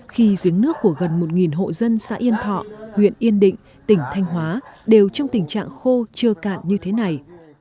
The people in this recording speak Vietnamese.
khi giếng nước của gần một hộ dân xã yên thọ huyện yên định tỉnh thanh hóa đều trong tình trạng khô chưa cạn như thế này